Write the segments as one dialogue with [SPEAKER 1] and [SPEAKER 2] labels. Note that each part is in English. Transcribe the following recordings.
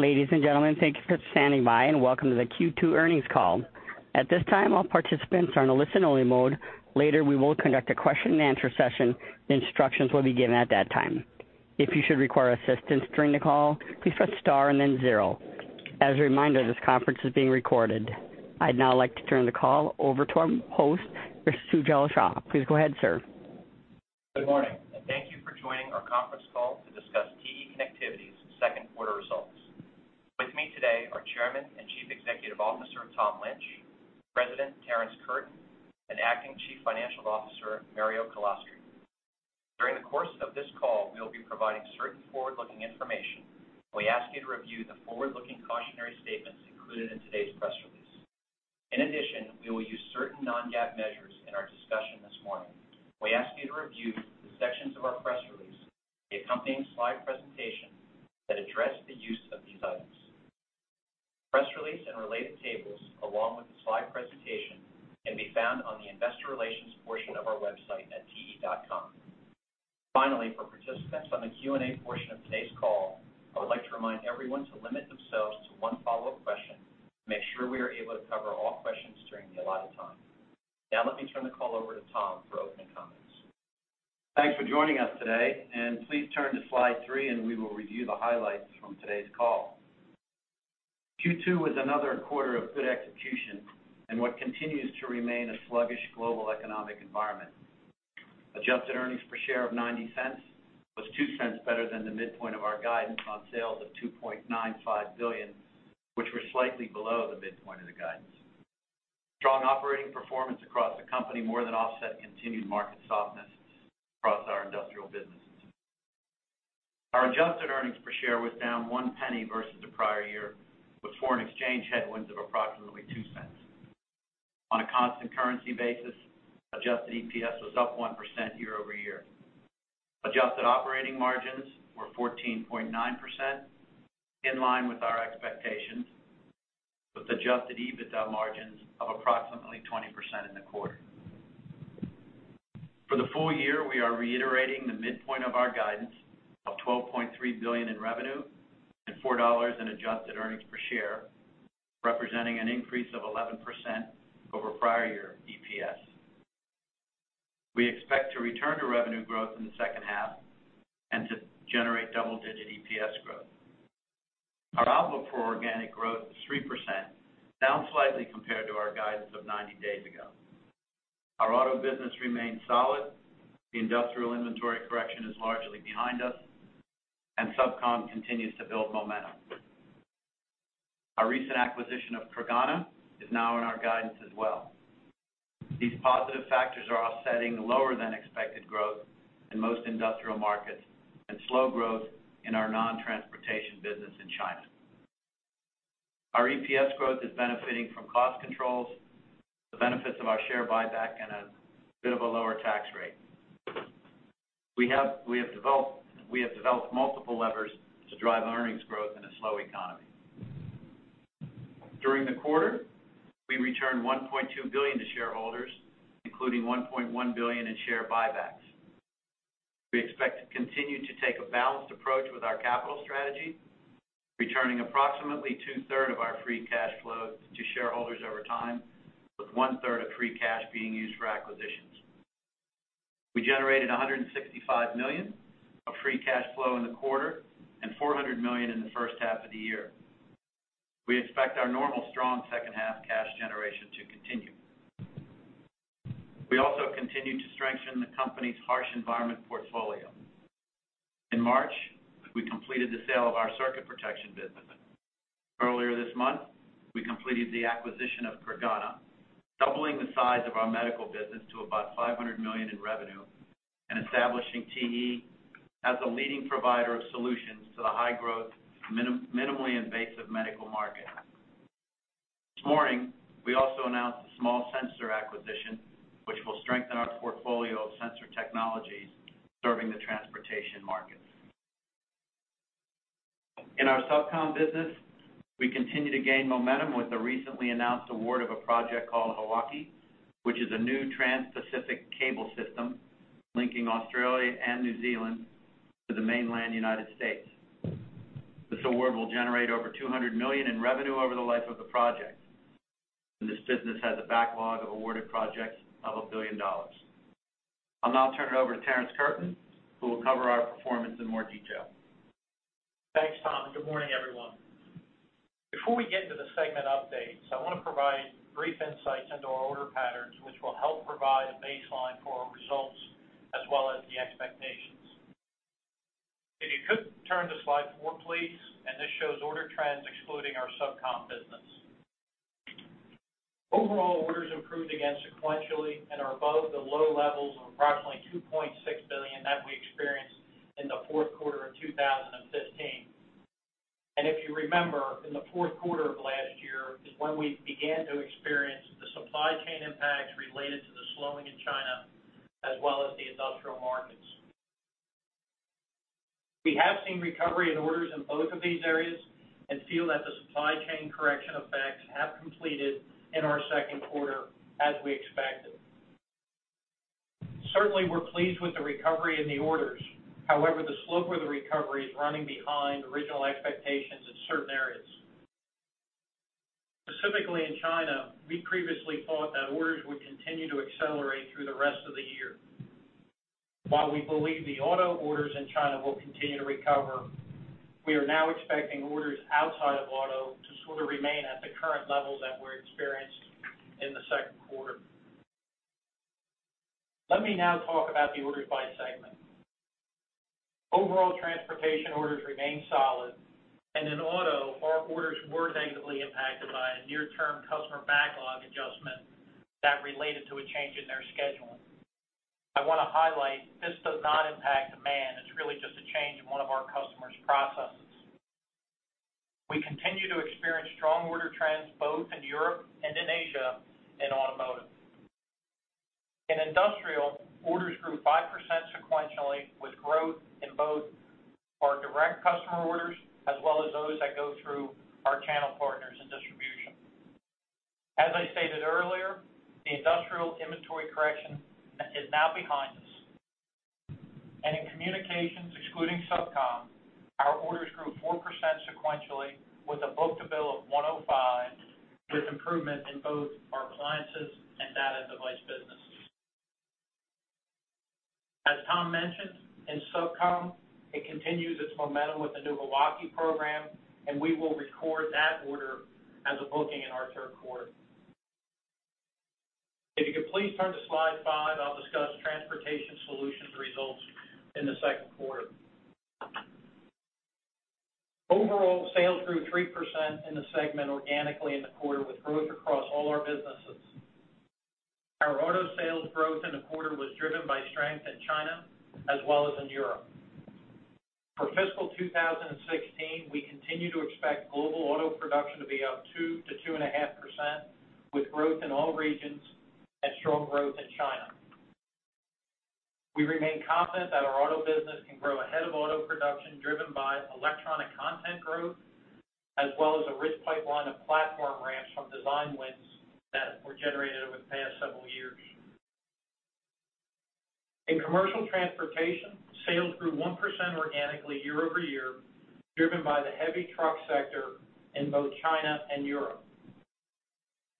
[SPEAKER 1] Ladies and gentlemen, thank you for standing by, and welcome to the Q2 earnings call. At this time, all participants are on a listen-only mode. Later, we will conduct a question-and-answer session. The instructions will be given at that time. If you should require assistance during the call, please press star and then zero. As a reminder, this conference is being recorded. I'd now like to turn the call over to our host, Mr. Sujal Shah. Please go ahead, sir.
[SPEAKER 2] Good morning, and thank you for joining our conference call to discuss TE Connectivity's second quarter results. With me today are Chairman and Chief Executive Officer; Tom Lynch, President; Terrence Curtin and Acting Chief Financial Officer; Mario Calastri. During the course of this call, we will be providing certain forward-looking information. We ask you to review the forward-looking cautionary statements included in today's press release. In addition, we will use certain non-GAAP measures in our discussion this morning. We ask you to review the sections of our press release, the accompanying slide presentation, that address the use of these items. Press release and related tables, along with the slide presentation, can be found on the investor relations portion of our website at te.com. Finally, for participants on the Q&A portion of today's call, I would like to remind everyone to limit themselves to one follow-up question to make sure we are able to cover all questions during the allotted time. Now, let me turn the call over to Tom for opening comments.
[SPEAKER 3] Thanks for joining us today, and please turn to slide three, and we will review the highlights from today's call. Q2 was another quarter of good execution in what continues to remain a sluggish global economic environment. Adjusted earnings per share of $0.90 was $0.02 cents better than the midpoint of our guidance on sales of $2.95 billion, which were slightly below the midpoint of the guidance. Strong operating performance across the company more than offset continued market softness across our industrial businesses. Our adjusted earnings per share was down 1 penny versus the prior year, with foreign exchange headwinds of approximately $0.02. On a constant currency basis, adjusted EPS was up 1% year-over-year. Adjusted operating margins were 14.9%, in line with our expectations, with adjusted EBITDA margins of approximately 20% in the quarter. For the full year, we are reiterating the midpoint of our guidance of $12.3 billion in revenue and $4 in adjusted earnings per share, representing an increase of 11% over prior year EPS. We expect to return to revenue growth in the second half and to generate double-digit EPS growth. Our outlook for organic growth is 3%, down slightly compared to our guidance of 90 days ago. Our auto business remains solid, the industrial inventory correction is largely behind us, and SubCom continues to build momentum. Our recent acquisition of Creganna is now in our guidance as well. These positive factors are offsetting lower-than-expected growth in most industrial markets and slow growth in our non-transportation business in China. Our EPS growth is benefiting from cost controls, the benefits of our share buyback, and a bit of a lower tax rate. We have developed multiple levers to drive earnings growth in a slow economy. During the quarter, we returned $1.2 billion to shareholders, including $1.1 billion in share buybacks. We expect to continue to take a balanced approach with our capital strategy, returning approximately two-thirds of our free cash flow to shareholders over time, with one-third of free cash being used for acquisitions. We generated $165 million of free cash flow in the quarter and $400 million in the first half of the year. We expect our normal strong second half cash generation to continue. We also continued to strengthen the company's harsh environment portfolio. In March, we completed the sale of our circuit protection business. Earlier this month, we completed the acquisition of Creganna, doubling the size of our medical business to about $500 million in revenue and establishing TE as a leading provider of solutions to the high-growth minimally invasive medical market. This morning, we also announced a small sensor acquisition, which will strengthen our portfolio of sensor technologies serving the transportation markets. In our SubCom business, we continue to gain momentum with the recently announced award of a project called Hawaiki, which is a new transpacific cable system linking Australia and New Zealand to the mainland United States. This award will generate over $200 million in revenue over the life of the project, and this business has a backlog of awarded projects of $1 billion. I'll now turn it over to Terrence Curtin, who will cover our performance in more detail.
[SPEAKER 4] Thanks, Tom, and good morning, everyone. Before we get into the segment updates, I want to provide brief insights into our order patterns, which will help provide a baseline for our results as well as the expectations. If you could turn to slide four, please, and this shows order trends excluding our SubCom business. Overall, orders improved again sequentially and are above the low levels of approximately $2.6 billion that we experienced in the fourth quarter of 2015. And if you remember, in the fourth quarter of last year is when we began to experience the supply chain impacts related to the slowing in China, as well as the industrial markets. We have seen recovery in orders in both of these areas and feel that the supply chain correction effects have completed in our second quarter as we expected... Certainly, we're pleased with the recovery in the orders. However, the slope of the recovery is running behind original expectations in certain areas. Specifically in China, we previously thought that orders would continue to accelerate through the rest of the year. While we believe the auto orders in China will continue to recover, we are now expecting orders outside of auto to sort of remain at the current levels that we're experiencing in the second quarter. Let me now talk about the orders by segment. Overall, transportation orders remain solid, and in auto, our orders were negatively impacted by a near-term customer backlog adjustment that related to a change in their scheduling. I want to highlight, this does not impact demand. It's really just a change in one of our customers' processes. We continue to experience strong order trends, both in Europe and in Asia, in automotive. In industrial, orders grew 5% sequentially, with growth in both our direct customer orders as well as those that go through our channel partners in distribution. As I stated earlier, the industrial inventory correction is now behind us. In communications, excluding SubCom, our orders grew 4% sequentially, with a book-to-bill of 1.05, with improvement in both our appliances and data device businesses. As Tom mentioned, in SubCom, it continues its momentum with the new Hawaiki program, and we will record that order as a booking in our third quarter. If you could please turn to slide five, I'll discuss Transportation Solutions results in the second quarter. Overall, sales grew 3% in the segment organically in the quarter, with growth across all our businesses. Our auto sales growth in the quarter was driven by strength in China as well as in Europe. For fiscal 2016, we continue to expect global auto production to be up 2%-2.5%, with growth in all regions and strong growth in China. We remain confident that our auto business can grow ahead of auto production, driven by electronic content growth, as well as a rich pipeline of platform ramps from design wins that were generated over the past several years. In commercial transportation, sales grew 1% organically year-over-year, driven by the heavy truck sector in both China and Europe.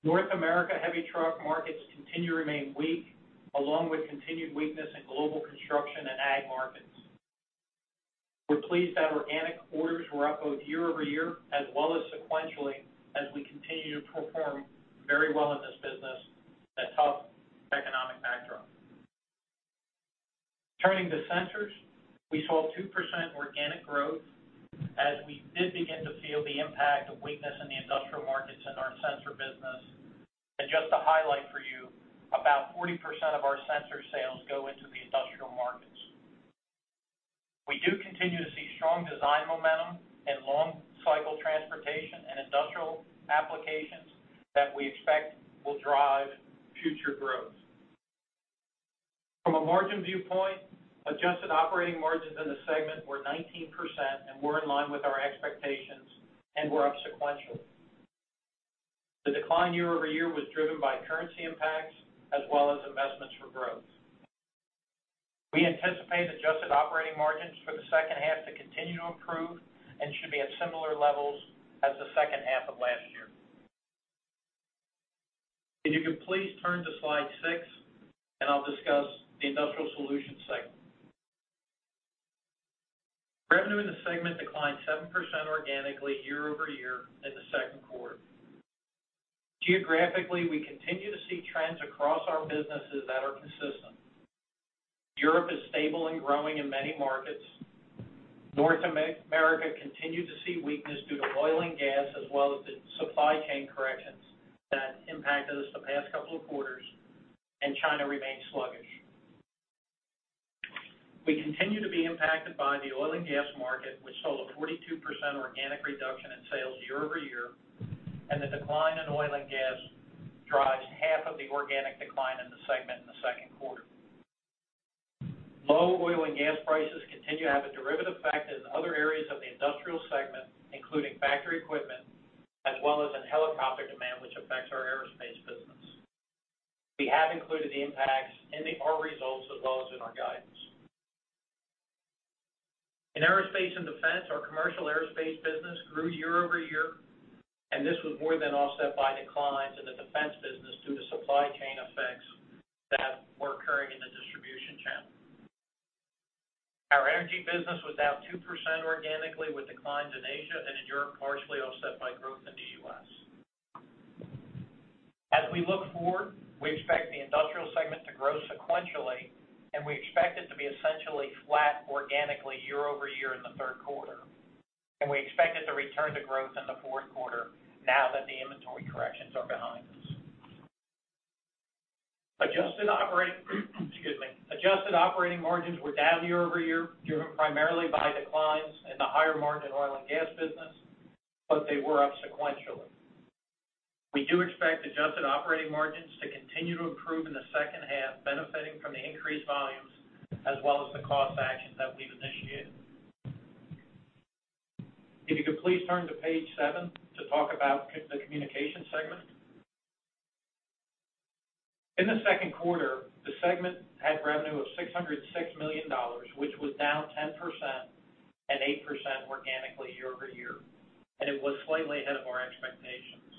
[SPEAKER 4] North America heavy truck markets continue to remain weak, along with continued weakness in global construction and ag markets. We're pleased that organic orders were up both year-over-year as well as sequentially, as we continue to perform very well in this business in a tough economic backdrop. Turning to sensors, we saw 2% organic growth as we did begin to feel the impact of weakness in the industrial markets in our sensor business. Just to highlight for you, about 40% of our sensor sales go into the industrial markets. We do continue to see strong design momentum in long cycle transportation and industrial applications that we expect will drive future growth. From a margin viewpoint, adjusted operating margins in the segment were 19%, and we're in line with our expectations, and we're up sequentially. The decline year-over-year was driven by currency impacts as well as investments for growth. We anticipate adjusted operating margins for the second half to continue to improve and should be at similar levels as the second half of last year. If you could please turn to slide six, and I'll discuss the Industrial Solutions segment. Revenue in the segment declined 7% organically year-over-year in the second quarter. Geographically, we continue to see trends across our businesses that are consistent. Europe is stable and growing in many markets. North America continued to see weakness due to oil and gas, as well as the supply chain corrections that impacted us the past couple of quarters, and China remains sluggish. We continue to be impacted by the oil and gas market, which saw a 42% organic reduction in sales year-over-year, and the decline in oil and gas drives half of the organic decline in the segment in the second quarter. Low oil and gas prices continue to have a derivative effect in other areas of the industrial segment, including factory equipment as well as in helicopter demand, which affects our aerospace business. We have included the impacts in our results as well as in our guidance. In aerospace and defense, our commercial aerospace business grew year-over-year, and this was more than offset by declines in the defense business due to supply chain effects that were occurring in the distribution channel. Our energy business was down 2% organically, with declines in Asia and in Europe, partially offset by growth in the U.S.. As we look forward, we expect the industrial segment to grow sequentially, and we expect it to be essentially flat organically year-over-year in the third quarter, and we expect it to return to growth in the fourth quarter now that the inventory corrections are behind us. Adjusted operating, excuse me, adjusted operating margins were down year-over-year, driven primarily by declines in the higher-margin oil and gas business, but they were up sequentially. We do expect adjusted operating margins to continue to improve in the second half, benefiting from the increased volumes as well as the cost actions that we've initiated. If you could please turn to page seven to talk about the communication segment. In the second quarter, the segment had revenue of $606 million, which was down 10% and 8% organically year over year, and it was slightly ahead of our expectations.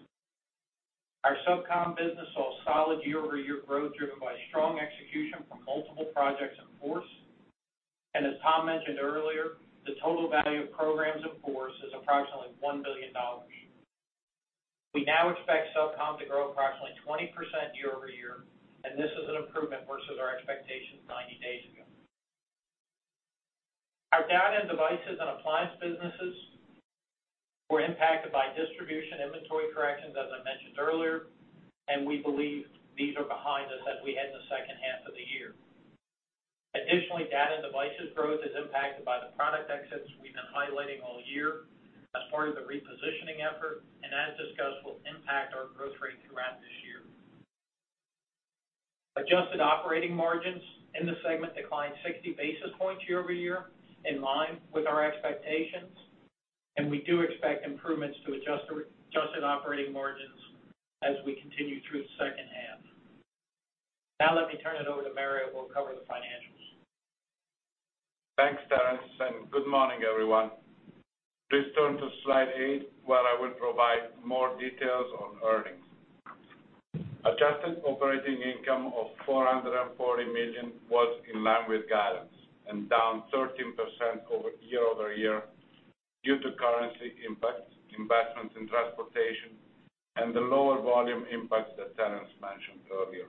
[SPEAKER 4] Our SubCom business saw solid year-over-year growth, driven by strong execution from multiple projects in force. And as Tom mentioned earlier, the total value of programs in force is approximately $1 billion. We now expect SubCom to grow approximately 20% year over year, and this is an improvement versus our expectations 90 days ago. Our data and devices and appliance businesses were impacted by distribution inventory corrections, as I mentioned earlier, and we believe these are behind us as we head in the second half of the year. Additionally, data devices growth is impacted by the product exits we've been highlighting all year as part of the repositioning effort, and as discussed, will impact our growth rate throughout this year. Adjusted operating margins in the segment declined 60 basis points year-over-year, in line with our expectations, and we do expect improvements to adjusted operating margins as we continue through the second half. Now let me turn it over to Mario, who will cover the financials.
[SPEAKER 5] Thanks, Terrence, and good morning, everyone. Please turn to slide eigth, where I will provide more details on earnings. Adjusted operating income of $440 million was in line with guidance and down 13% year-over-year due to currency impacts, investments in transportation, and the lower volume impacts that Terrence mentioned earlier.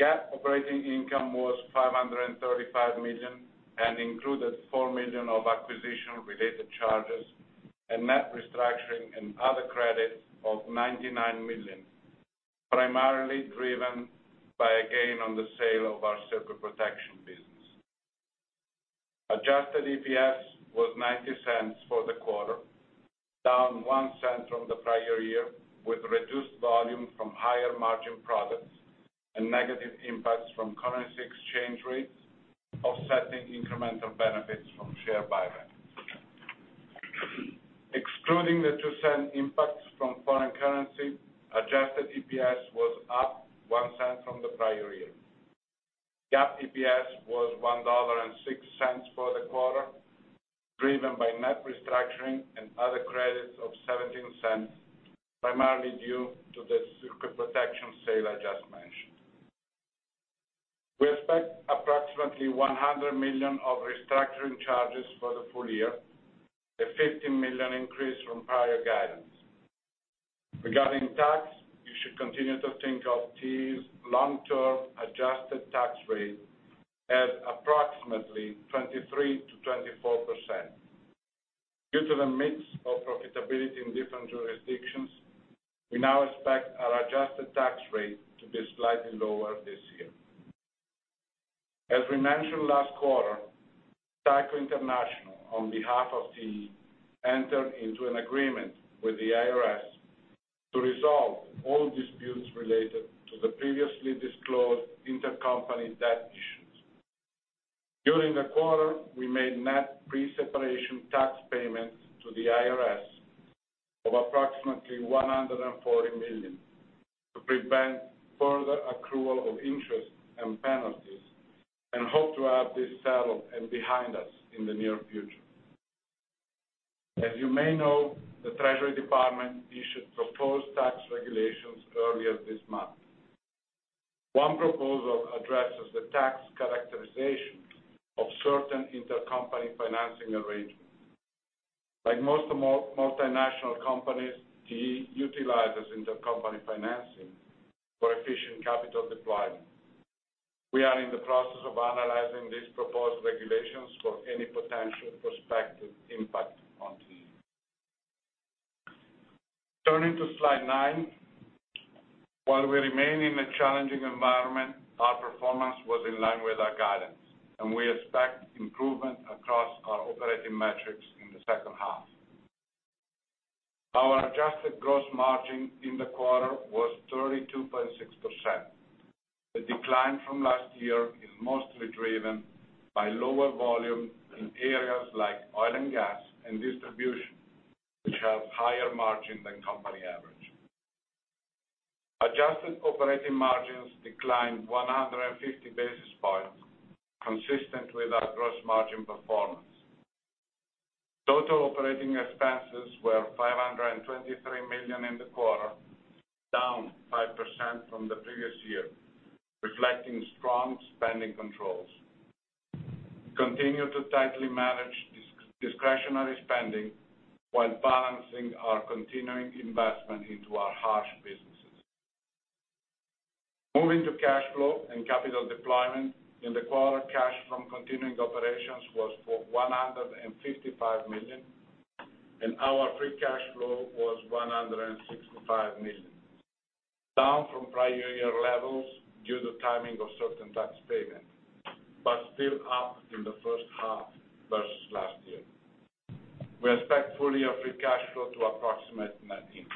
[SPEAKER 5] GAAP operating income was $535 million and included $4 million of acquisition-related charges and net restructuring and other credits of $99 million, primarily driven by a gain on the sale of our circuit protection business. Adjusted EPS was $0.90 for the quarter, down $0.01 from the prior year, with reduced volume from higher-margin products and negative impacts from currency exchange rates, offsetting incremental benefits from share buyback. Excluding the $0.02 impacts from foreign currency, adjusted EPS was up $0.01 from the prior year. GAAP EPS was $1.06 for the quarter, driven by net restructuring and other credits of $0.17, primarily due to the circuit protection sale I just mentioned. We expect approximately $100 million of restructuring charges for the full year, a $50 million increase from prior guidance. Regarding tax, you should continue to think of TE's long-term adjusted tax rate at approximately 23%-24%. Due to the mix of profitability in different jurisdictions, we now expect our adjusted tax rate to be slightly lower this year. As we mentioned last quarter, Tyco International, on behalf of TE, entered into an agreement with the IRS to resolve all disputes related to the previously disclosed intercompany debt issues. During the quarter, we made net pre-separation tax payments to the IRS of approximately $140 million to prevent further accrual of interest and penalties, and hope to have this settled and behind us in the near future. As you may know, the Treasury Department issued proposed tax regulations earlier this month. One proposal addresses the tax characterization of certain intercompany financing arrangements. Like most multinational companies, TE utilizes intercompany financing for efficient capital deployment. We are in the process of analyzing these proposed regulations for any potential prospective impact on TE. Turning to slide nine, while we remain in a challenging environment, our performance was in line with our guidance, and we expect improvement across our operating metrics in the second half. Our adjusted gross margin in the quarter was 32.6%. The decline from last year is mostly driven by lower volume in areas like oil and gas and distribution, which have higher margin than company average. Adjusted operating margins declined 150 basis points, consistent with our gross margin performance. Total operating expenses were $523 million in the quarter, down 5% from the previous year, reflecting strong spending controls. We continue to tightly manage discretionary spending while balancing our continuing investment into our harsh businesses. Moving to cash flow and capital deployment, in the quarter, cash from continuing operations was $155 million, and our free cash flow was $165 million, down from prior year levels due to timing of certain tax payments, but still up in the first half versus last year. We expect full-year free cash flow to approximate $1.9 billion.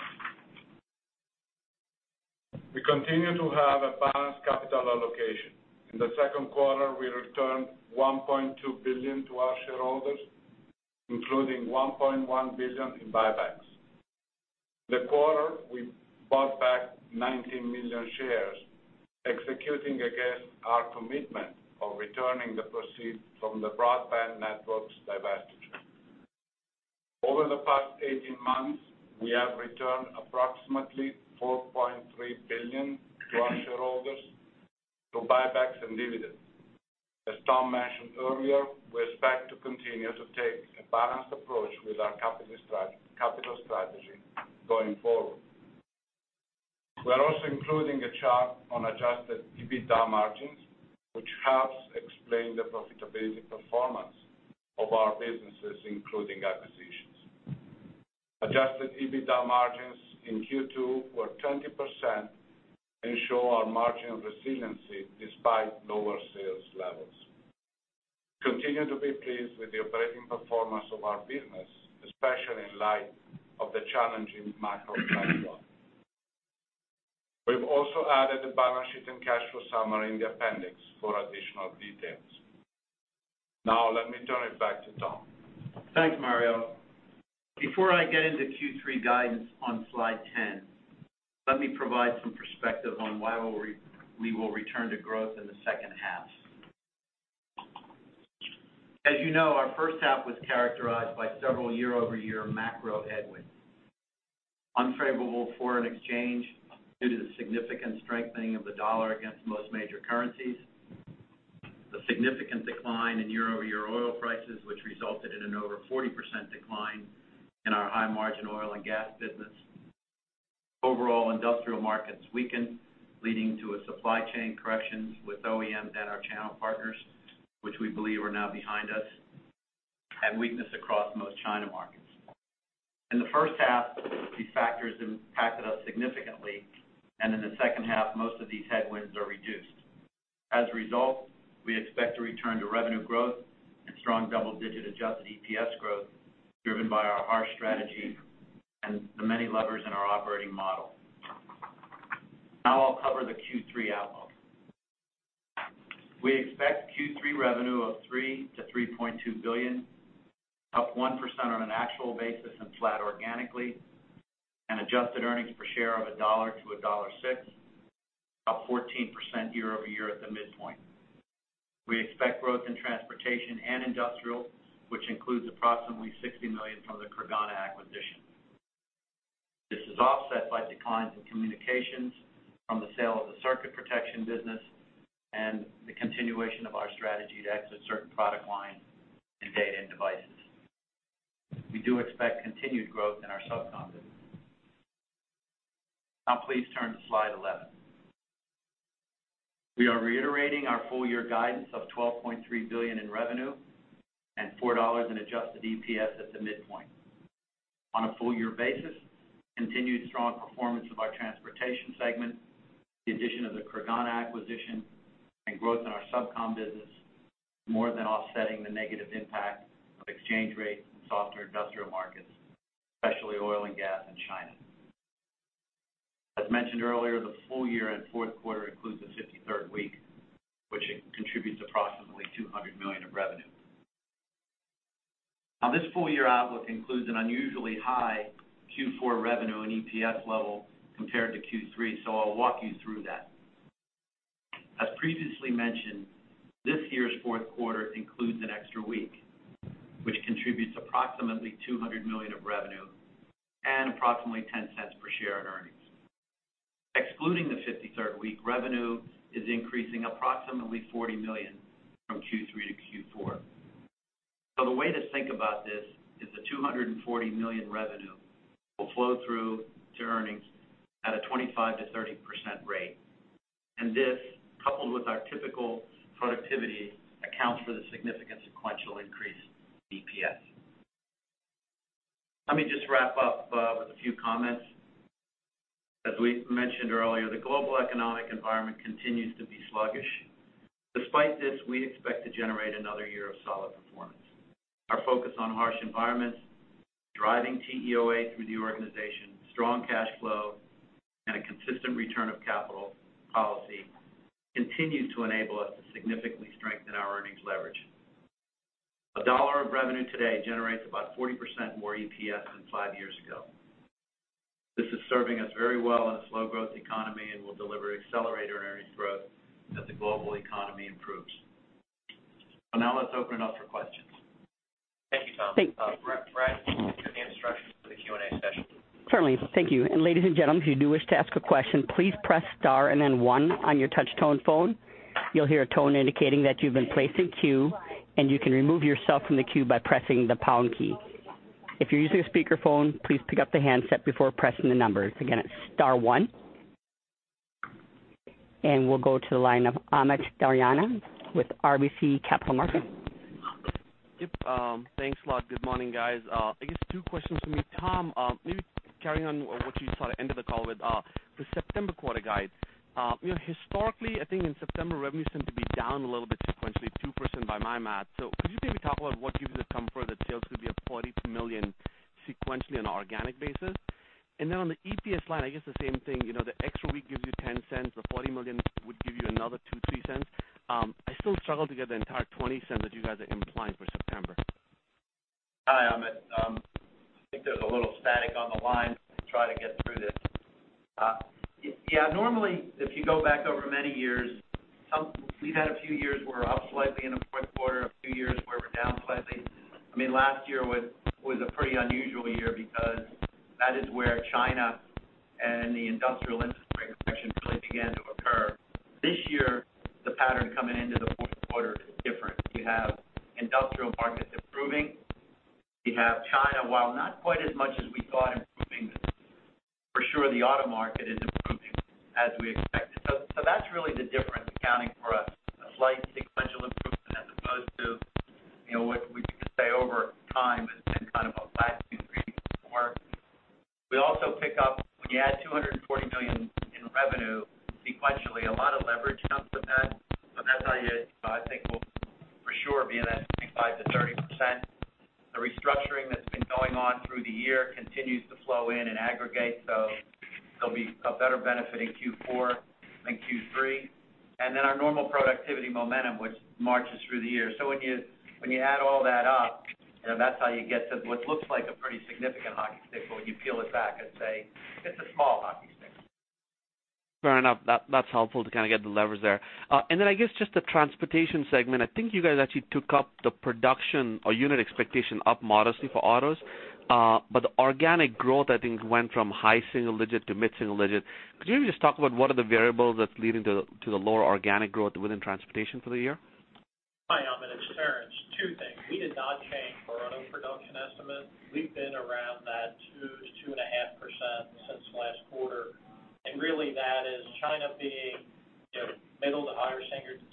[SPEAKER 5] We continue to have a balanced capital allocation. In the second quarter, we returned $1.2 billion to our shareholders, including $1.1 billion in buybacks. The quarter, we bought back 19 million shares, executing against our commitment of returning the proceeds from the broadband networks divestiture. Over the past 18 months, we have returned approximately $4.3 billion to our shareholders through buybacks and dividends. As Tom mentioned earlier, we expect to continue to take a balanced approach with our capital strategy going forward. We're also including a chart on Adjusted EBITDA margins, which helps explain the profitability performance of our businesses, including acquisitions. Adjusted EBITDA margins in Q2 were 20% and show our margin resiliency despite lower sales levels. Continue to be pleased with the operating performance of our business, especially in light of the challenging macro environment. We've also added a balance sheet and cash flow summary in the appendix for additional details. Now, let me turn it back to Tom.
[SPEAKER 3] Thanks, Mario. Before I get into Q3 guidance on slide 10, let me provide some perspective on why we will return to growth in the second half. As you know, our first half was characterized by several year-over-year macro headwinds: unfavorable foreign exchange due to the significant strengthening of the dollar against most major currencies. The significant decline in year-over-year oil prices, which resulted in an over 40% decline in our high-margin oil and gas business. Overall, industrial markets weakened, leading to a supply chain corrections with OEMs and our channel partners, which we believe are now behind us, and weakness across most China markets. In the first half, these factors impacted us significantly, and in the second half, most of these headwinds are reduced. As a result, we expect to return to revenue growth and strong double-digit adjusted EPS growth, driven by our harsh strategy and the many levers in our operating model. Now I'll cover the Q3 outlook. We expect Q3 revenue of $3 billion-$3.2 billion, up 1% on an actual basis and flat organically, and adjusted earnings per share of $1-$1.06, up 14% year-over-year at the midpoint. We expect growth in transportation and industrial, which includes approximately $60 million from the Creganna acquisition. This is offset by declines in communications from the sale of the Circuit Protection business and the continuation of our strategy to exit certain product lines in Data and Devices. We do expect continued growth in our SubCom business. Now, please turn to slide 11. We are reiterating our full-year guidance of $12.3 billion in revenue and $4 in adjusted EPS at the midpoint. On a full-year basis, continued strong performance of our Transportation segment, the addition of the Creganna acquisition and growth in our SubCom business, more than offsetting the negative impact of exchange rates and softer industrial markets, especially oil and gas in China. As mentioned earlier, the full year and fourth quarter includes the 53rd week, which contributes approximately $200 million of revenue. Now, this full-year outlook includes an unusually high Q4 revenue and EPS level compared to Q3, so I'll walk you through that. As previously mentioned, this year's fourth quarter includes an extra week, which contributes approximately $200 million of revenue and approximately $0.10 per share in earnings. Excluding the 53rd week, revenue is increasing approximately $40 million from Q3 to Q4. So the way to think about this is the $240 million revenue will flow through to earnings at a 25%-30% rate, and this, coupled with our typical productivity, accounts for the significant sequential increase in EPS. Let me just wrap up with a few comments. As we mentioned earlier, the global economic environment continues to be sluggish. Despite this, we expect to generate another year of solid performance. Our focus on harsh environments, driving TEOA through the organization, strong cash flow, and a consistent return of capital policy, continues to enable us to significantly strengthen our earnings leverage. A dollar of revenue today generates about 40% more EPS than five years ago. This is serving us very well in a slow-growth economy and will deliver accelerated earnings growth as the global economy improves. So now let's open it up for questions.
[SPEAKER 2] Thank you, Tom.
[SPEAKER 1] Thank-
[SPEAKER 2] Brad, could you give the instructions for the Q&A session?
[SPEAKER 1] Certainly. Thank you. And ladies and gentlemen, if you do wish to ask a question, please press star and then one on your touch tone phone. You'll hear a tone indicating that you've been placed in queue, and you can remove yourself from the queue by pressing the pound key. If you're using a speakerphone, please pick up the handset before pressing the numbers. Again, it's star one. And we'll go to the line of Amit Daryanani with RBC Capital Markets.
[SPEAKER 6] Yep, thanks a lot. Good morning, guys. I guess two questions for me. Tom, maybe carrying on what you saw at the end of the call with the September quarter guide.... You know, historically, I think in September, revenues seem to be down a little bit sequentially, 2% by my math. So could you maybe talk about what gives you the comfort that sales could be at $42 million sequentially on an organic basis? And then on the EPS line, I guess the same thing, you know, the extra week gives you $0.10, the $40 million would give you another $0.02-$0.03. I still struggle to get the entire $0.20 that you guys are implying for September.
[SPEAKER 3] Hi, Amit. I think there's a little static on the line. Try to get through this. Yeah, normally, if you go back over many years, we've had a few years where we're up slightly in the fourth quarter, a few years where we're down slightly. I mean, last year was a pretty unusual year because that is where China and the industrial inventory correction really began to occur. This year, the pattern coming into the fourth quarter is different. We have industrial markets improving. We have China, while not quite as much as we thought, improving. For sure, the auto market is improving as we expected. So that's really the difference, accounting for a slight sequential improvement as opposed to, you know, what we could say over time has been kind of a flat two, three, four. We also pick up, when you add $240 million in revenue, sequentially, a lot of leverage comes with that. So that's how you, I think, will for sure be in that 25%-30%. The restructuring that's been going on through the year continues to flow in and aggregate, so there'll be a better benefit in Q4 than Q3. And then our normal productivity momentum, which marches through the year. So when you, when you add all that up, you know, that's how you get to what looks like a pretty significant hockey stick. But when you peel it back and say, "It's a small hockey stick.
[SPEAKER 6] Fair enough. That, that's helpful to kind of get the levers there. And then I guess just the transportation segment, I think you guys actually took up the production or unit expectation up modestly for autos. But the organic growth, I think, went from high single digit to mid-single digit. Could you just talk about what are the variables that's leading to, to the lower organic growth within transportation for the year?
[SPEAKER 4] Hi, Amit, it's Terrence. Two things. We did not change our auto production estimate. We've been around that 2%-2.5% since last quarter, and really, that is China being, you know, middle to higher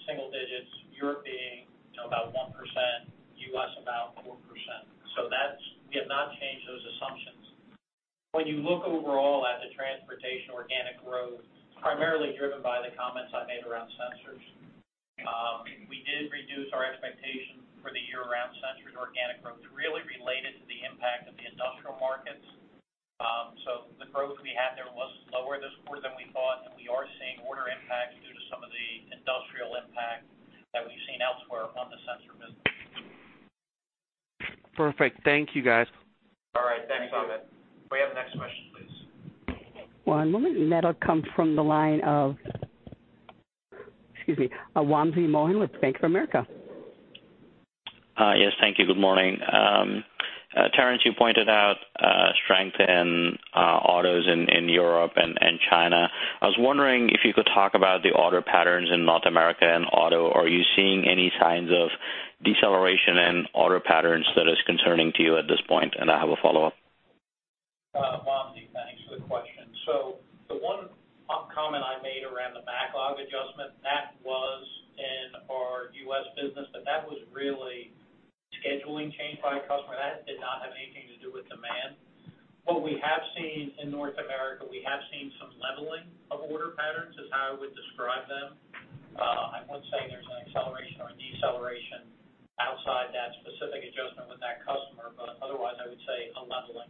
[SPEAKER 4] single digits, Europe being, you know, about 1%, U.S., about 4%. So that's... We have not changed those assumptions. When you look overall at the transportation organic growth, primarily driven by the comments I made around sensors, we did reduce our expectation for the year around sensor organic growth, really related to the impact of the industrial markets. So the growth we had there was lower this quarter than we thought, and we are seeing order impacts due to some of the industrial impact that we've seen elsewhere on the sensor business.
[SPEAKER 6] Perfect. Thank you, guys.
[SPEAKER 3] All right. Thanks, Amit. Can we have the next question, please?
[SPEAKER 1] One moment. That'll come from the line of, excuse me, Wamsi Mohan with Bank of America.
[SPEAKER 7] Yes, thank you. Good morning. Terrence, you pointed out strength in autos in Europe and China. I was wondering if you could talk about the order patterns in North America and auto. Are you seeing any signs of deceleration in auto patterns that is concerning to you at this point? And I have a follow-up.
[SPEAKER 4] Wamsi, thanks for the question. So the one up comment I made around the backlog adjustment, that was in our U.S. business, but that was really scheduling change by a customer. That did not have anything to do with demand. What we have seen in North America, we have seen some leveling of order patterns, is how I would describe them. I wouldn't say there's an acceleration or a deceleration outside that specific adjustment with that customer, but otherwise, I would say a leveling.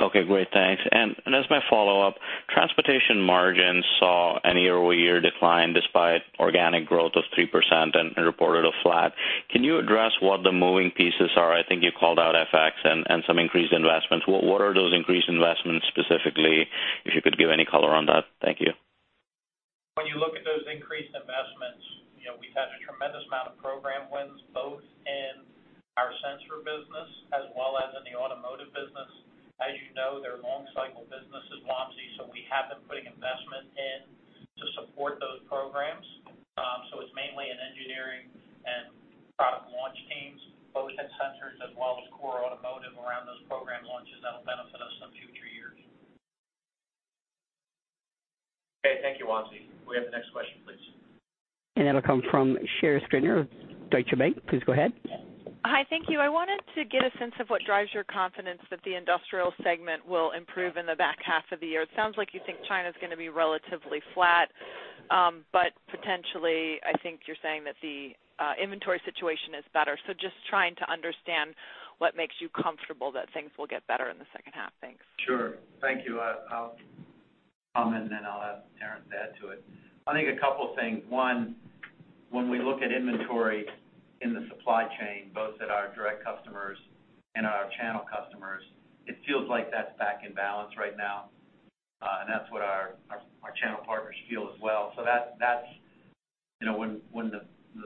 [SPEAKER 7] Okay, great. Thanks. And as my follow-up, transportation margins saw a year-over-year decline, despite organic growth of 3% and reported flat. Can you address what the moving pieces are? I think you called out FX and some increased investments. What are those increased investments, specifically, if you could give any color on that? Thank you.
[SPEAKER 4] When you look at those increased investments, you know, we've had a tremendous amount of program wins, both in our sensor business as well as in the automotive business. As you know, they're long cycle businesses, Wamsi, so we have been putting investment in to support those programs. So it's mainly in engineering and product launch teams, both in sensors as well as core automotive, around those program launches that'll benefit us in future years.
[SPEAKER 3] Okay. Thank you, Vamsi. Can we have the next question, please?
[SPEAKER 1] That'll come from Sherri Scribner of Deutsche Bank. Please go ahead.
[SPEAKER 8] Hi. Thank you. I wanted to get a sense of what drives your confidence that the industrial segment will improve in the back half of the year. It sounds like you think China's gonna be relatively flat, but potentially, I think you're saying that the inventory situation is better. So just trying to understand what makes you comfortable that things will get better in the second half. Thanks.
[SPEAKER 3] Sure. Thank you. I'll comment, and then I'll have Terrence add to it. I think a couple things. One, when we look at inventory in the supply chain, both at our direct customers and our channel customers, it feels like that's back in balance right now. And that's what our channel partners feel as well. So that's... You know, when the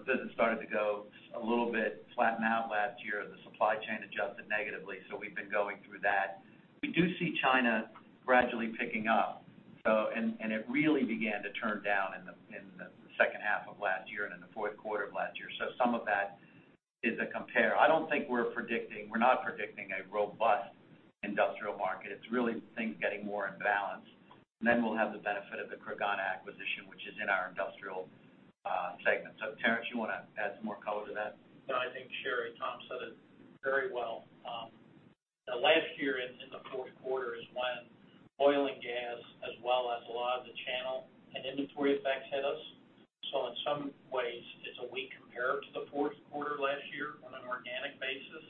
[SPEAKER 3] business started to go a little bit flatten out last year, the supply chain adjusted negatively, so we've been going through that. We do see China gradually picking up, so... It really began to turn down in the second half of last year and in the fourth quarter of last year. So some of that is a compare. I don't think we're predicting... We're not predicting a robust industrial market. It's really things getting more in balance, and then we'll have the benefit of the Creganna acquisition segment. So Terrence, you wanna add some more color to that?
[SPEAKER 4] No, I think, Sherry, Tom said it very well. The last year in, in the fourth quarter is when oil and gas, as well as a lot of the channel and inventory effects hit us. So in some ways, it's a weak compared to the fourth quarter last year on an organic basis,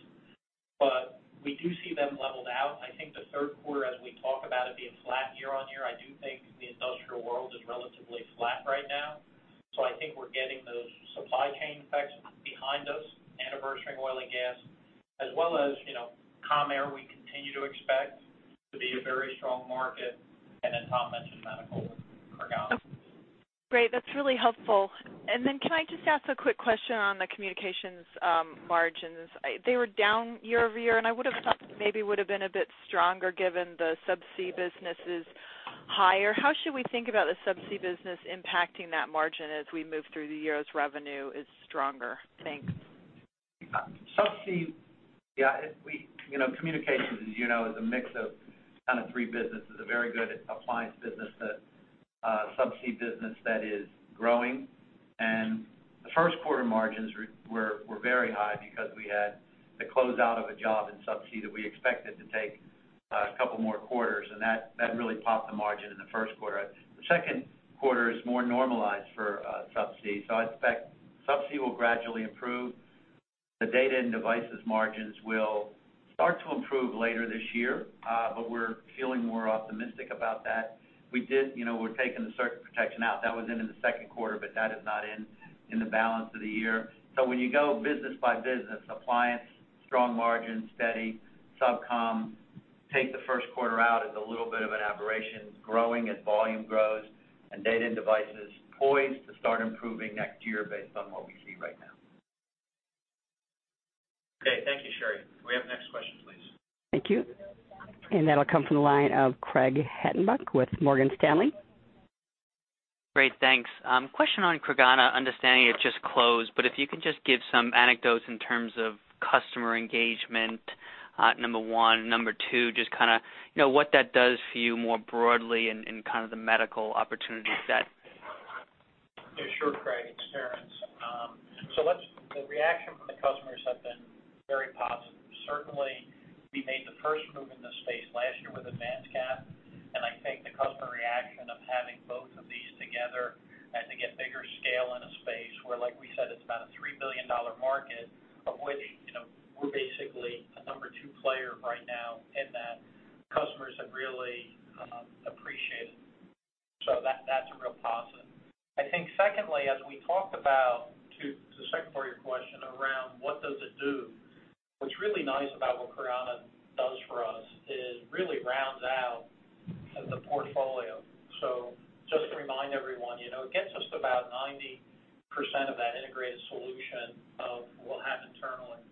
[SPEAKER 4] but we do see them leveled out. I think the third quarter, as we talk about it, being flat year-on-year, I do think the industrial world is relatively flat right now. So I think we're getting those supply chain effects behind us, anniversarying oil and gas, as well as, you know, CommAir, we continue to expect to be a very strong market. And then Tom mentioned medical for Gana.
[SPEAKER 8] Great, that's really helpful. And then can I just ask a quick question on the communications, margins? They were down year-over-year, and I would have thought maybe would have been a bit stronger given the subsea business is higher. How should we think about the subsea business impacting that margin as we move through the year as revenue is stronger? Thanks.
[SPEAKER 3] Subsea, yeah, you know, communications, as you know, is a mix of kind of three businesses, a very good appliance business, the subsea business that is growing. And the first quarter margins were very high because we had the close out of a job in subsea that we expected to take a couple more quarters, and that really popped the margin in the first quarter. The second quarter is more normalized for subsea, so I expect subsea will gradually improve. The data and devices margins will start to improve later this year, but we're feeling more optimistic about that. We did, you know, we're taking the circuit protection out. That was in the second quarter, but that is not in the balance of the year. So when you go business by business, Appliance, strong margin, steady, SubCom, take the first quarter out as a little bit of an aberration, growing as volume grows, and Data and Devices poised to start improving next year based on what we see right now.
[SPEAKER 4] Okay, thank you, Sherri. Can we have the next question, please?
[SPEAKER 1] Thank you. And that'll come from the line of Craig Hettenbach with Morgan Stanley.
[SPEAKER 9] Great, thanks. Question on Creganna, understanding it just closed, but if you could just give some anecdotes in terms of customer engagement, number one. Number two, just kinda, you know, what that does for you more broadly in, in kind of the medical opportunity set?
[SPEAKER 4] Yeah, sure, Craig. It's Terrence. The reaction from the customers have been very positive. Certainly, we made the first move in this space last year with AdvancedCath, and I think the customer reaction of having both of these together and to get bigger scale in a space where, like we said, it's about a $3 billion market, of which, you know, we're basically a number two player right now in that, customers have really appreciated. So that, that's a real positive. I think secondly, as we talked about, to the second part of your question around what does it do? What's really nice about what Creganna does for us is really rounds out the portfolio. So just to remind everyone, you know, it gets us to about 90% of that integrated solution of what we'll have internally.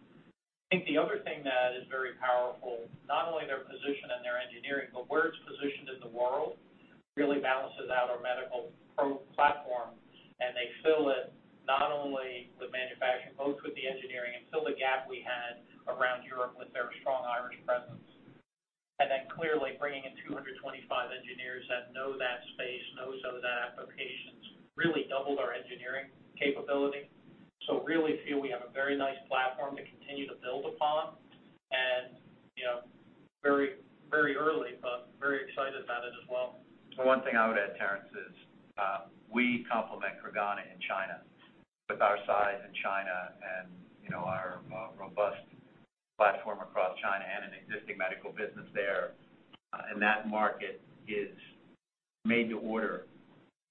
[SPEAKER 4] I think the other thing that is very powerful, not only their position and their engineering, but where it's positioned in the world, really balances out our medical product platform, and they fill it not only with manufacturing, but with the engineering, and fill the gap we had around Europe with their strong Irish presence. And then clearly, bringing in 225 engineers that know that space, knows those applications, really doubled our engineering capability. So really feel we have a very nice platform to continue to build upon. And, you know, very, very early, but very excited about it as well.
[SPEAKER 3] The one thing I would add, Terrence, is we complement Creganna in China. With our size in China and, you know, our robust platform across China and an existing medical business there, and that market is made to order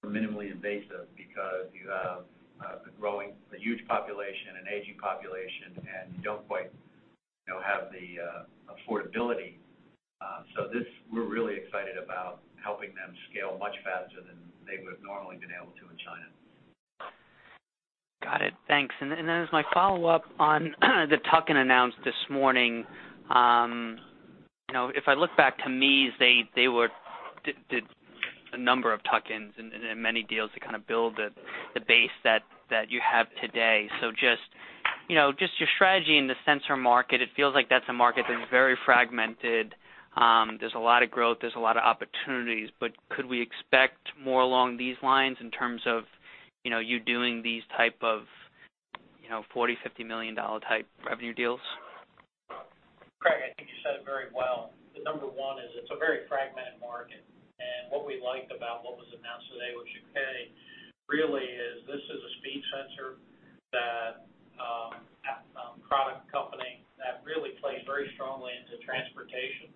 [SPEAKER 3] for minimally invasive because you have a growing, a huge population, an aging population, and you don't quite, you know, have the affordability. So this, we're really excited about helping them scale much faster than they would have normally been able to in China.
[SPEAKER 9] Got it. Thanks. And then, and then as my follow-up on the tuck-in announcement this morning, you know, if I look back to MEAS, they did a number of tuck-ins and many deals to kind of build the base that you have today. So just your strategy in the sensor market, it feels like that's a market that's very fragmented. There's a lot of growth, there's a lot of opportunities, but could we expect more along these lines in terms of you doing these type of $40 million-$50 million type revenue deals?
[SPEAKER 4] Craig, I think you said it very well. The number one is it's a very fragmented market, and what we liked about what was announced today with Jaquet, really is this is a speed sensor that product company that really plays very strongly into transportation,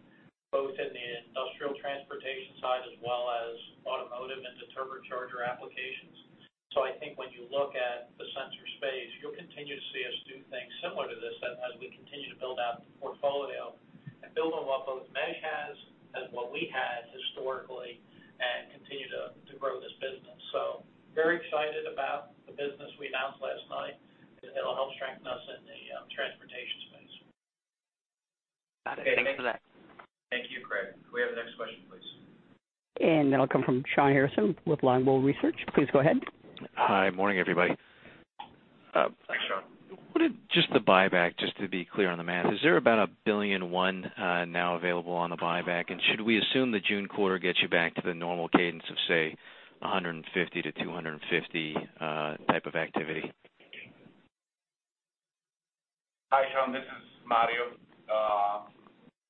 [SPEAKER 4] both in the industrial transportation side as well as automotive and the turbocharger applications. So I think when you look at the sensor space, you'll continue to see us do things similar to this as we continue to build out the portfolio and build on what both Mesh has and what we had historically, and continue to grow this business. So very excited about the business we announced last night, and it'll help strengthen us in the transportation space.
[SPEAKER 9] Got it. Thanks for that.
[SPEAKER 3] Thank you, Craig. Can we have the next question, please?
[SPEAKER 1] That'll come from Shawn Harrison with Longbow Research. Please go ahead.
[SPEAKER 10] Hi, morning, everybody.... What about just the buyback, just to be clear on the math, is there about $1.1 billion now available on the buyback? And should we assume the June quarter gets you back to the normal cadence of, say, $150 million-$250 million type of activity?
[SPEAKER 5] Hi, Sean, this is Mario.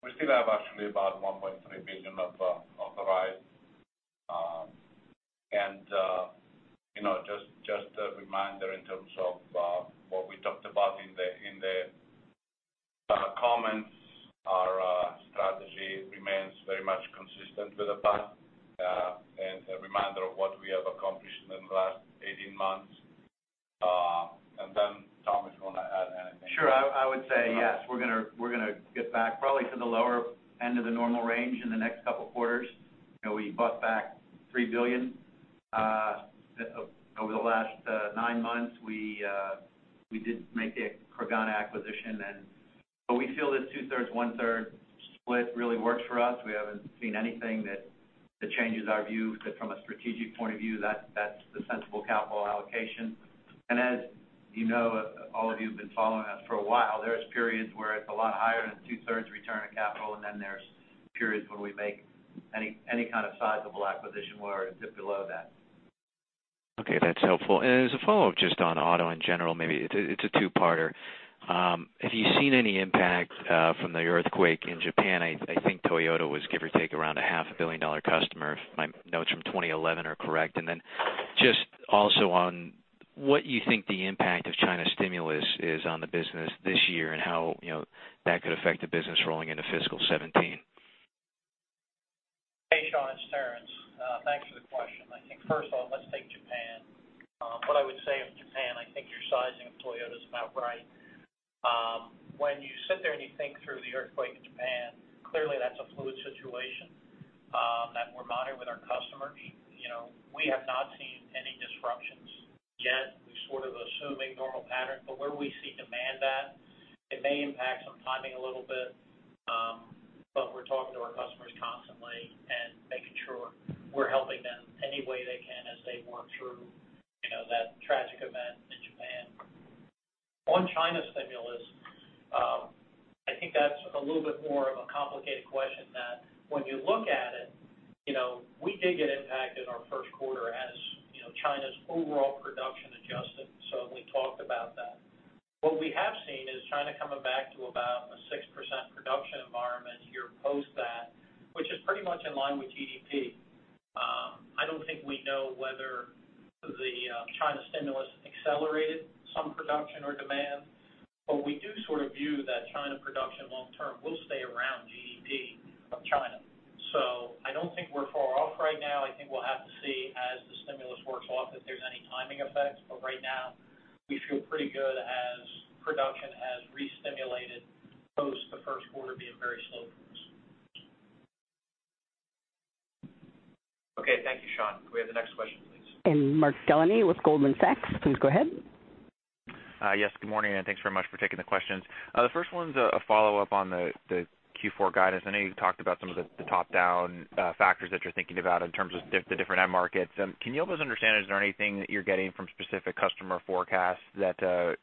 [SPEAKER 5] We still have actually about $1.3 billion of debt. You know, just a reminder in terms of what we talked about in the comments, our strategy remains very much consistent with the past, and a reminder of what we have accomplished in the last 18 months. Then Tom is gonna add anything.
[SPEAKER 3] Sure. I would say, yes, we're gonna get back probably to the lower end of the normal range in the next couple quarters. You know, we bought back $3 billion over the last nine months. We did make the Creganna acquisition, and but we feel this 2/3, 1/3 split really works for us. We haven't seen anything that changes our view, that from a strategic point of view, that's the sensible capital allocation. And as you know, all of you have been following us for a while, there's periods where it's a lot higher than two-thirds return on capital, and then there's periods where we make any kind of sizable acquisition where it dip below that.
[SPEAKER 10] Okay, that's helpful. As a follow-up, just on auto in general, maybe it's a two-parter. Have you seen any impact from the earthquake in Japan? I think Toyota was give or take around a $500 million customer, if my notes from 2011 are correct. Then just also on what you think the impact of China's stimulus is on the business this year, and how, you know, that could affect the business rolling into fiscal 2017.
[SPEAKER 4] Hey, Sean, it's Terrence. Thanks for the question. I think first of all, let's take Japan. What I would say of Japan, I think your sizing of Toyota is about right. When you sit there and you think through the earthquake in Japan, clearly that's a fluid situation that we're monitoring with our customer. You know, we have not seen any disruptions yet. We're sort of assuming normal pattern, but where we see demand at, it may impact some timing a little bit, but we're talking to our customers constantly and making sure we're helping them any way they can as they work through, you know, that tragic event in Japan. On China stimulus, I think that's a little bit more of a complicated question, that when you look at it, you know, we did get impacted in our first quarter as, you know, China's overall production adjusted, so we talked about that. What we have seen is China coming back to about a 6% production environment year post that, which is pretty much in line with GDP. I don't think we know whether the, China stimulus accelerated some production or demand, but we do sort of view that China production long term will stay around GDP of China. So I don't think we're far off right now. I think we'll have to see as the stimulus works off, if there's any timing effects. But right now, we feel pretty good as production has restimulated post the first quarter being very slow for us.
[SPEAKER 3] Okay, thank you, Sean. Can we have the next question, please?
[SPEAKER 1] Mark Delaney with Goldman Sachs, please go ahead.
[SPEAKER 11] Yes, good morning, and thanks very much for taking the questions. The first one's a follow-up on the Q4 guidance. I know you talked about some of the top-down factors that you're thinking about in terms of the different end markets. Can you help us understand, is there anything that you're getting from specific customer forecasts that are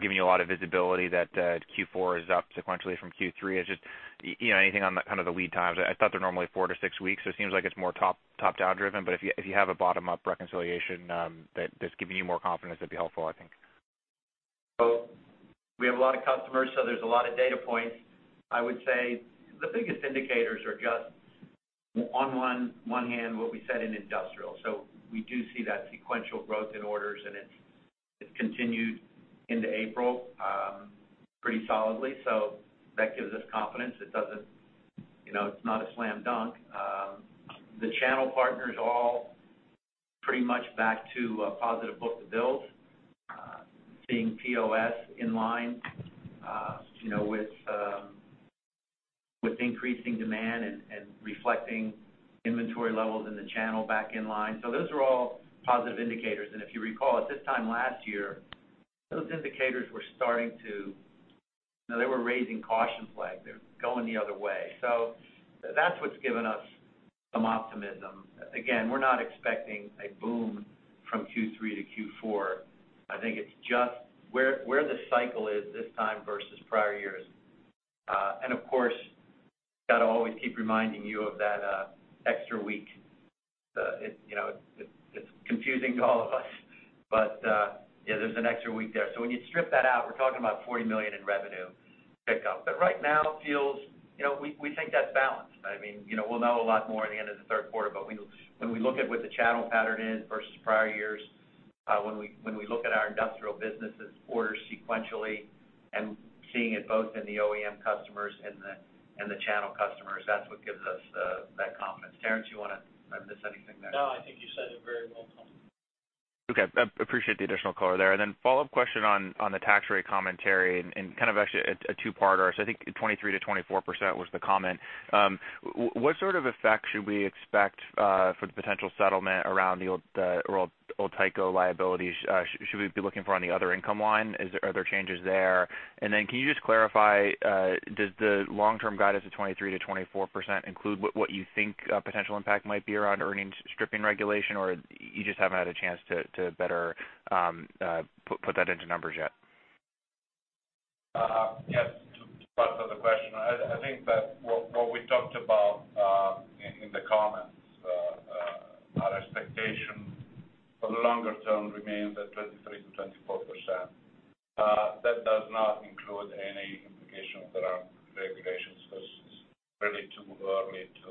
[SPEAKER 11] giving you a lot of visibility that Q4 is up sequentially from Q3? It's just, you know, anything on the kind of lead times. I thought they're normally four to six weeks, so it seems like it's more top-down driven. But if you have a bottom-up reconciliation that that's giving you more confidence, that'd be helpful, I think.
[SPEAKER 3] So we have a lot of customers, so there's a lot of data points. I would say the biggest indicators are just on one hand, what we said in industrial. So we do see that sequential growth in orders, and it's continued into April, pretty solidly, so that gives us confidence. It doesn't... You know, it's not a slam dunk. The channel partners all pretty much back to a positive book-to-bill, seeing POS in line, you know, with increasing demand and reflecting inventory levels in the channel back in line. So those are all positive indicators. And if you recall, at this time last year, those indicators were starting to... You know, they were raising caution flags. They're going the other way. So that's what's given us some optimism. Again, we're not expecting a boom from Q3 to Q4. I think it's just where the cycle is this time versus prior years. And of course, got to always keep reminding you of that extra week. You know, it's confusing to all of us, but yeah, there's an extra week there. So when you strip that out, we're talking about $40 million in revenue pickup. But right now feels, you know, we think that's balanced. I mean, you know, we'll know a lot more at the end of the third quarter, but when we look at what the channel pattern is versus prior years, when we look at our industrial businesses' orders sequentially and seeing it both in the OEM customers and the channel customers, that's what gives us that confidence. Terrence, you wanna? Did I miss anything there?
[SPEAKER 4] No, I think you said it very well, Tom.
[SPEAKER 11] Okay, I appreciate the additional color there. And then follow-up question on the tax rate commentary and kind of actually a two-parter. So I think 23%-24% was the comment. What sort of effect should we expect for the potential settlement around the old Tyco liabilities? Should we be looking for on the other income line? Are there changes there? And then, can you just clarify, does the long-term guidance of 23%-24% include what you think a potential impact might be around earnings stripping regulation, or you just haven't had a chance to better put that into numbers yet?...
[SPEAKER 3] Yes, to, to answer the question, I, I think that what, what we talked about, in, in the comments, our expectation for the longer term remains at 23%-24%. That does not include any implications around regulations, 'cause it's really too early to,